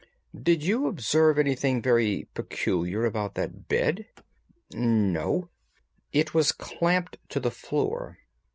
"Did you observe anything very peculiar about that bed?" "No." "It was clamped to the floor.